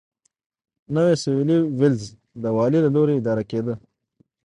نوی سوېلي ویلز د والي له لوري اداره کېده.